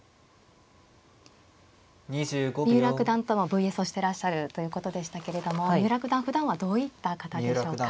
三浦九段ともＶＳをしてらっしゃるということでしたけれども三浦九段ふだんはどういった方でしょうか。